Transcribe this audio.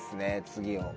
次を。